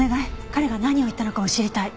彼が何を言ったのかも知りたい。